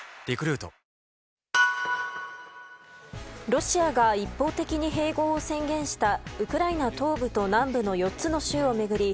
ロシアが一方的に併合を宣言したウクライナ東部と南部の４つの州を巡り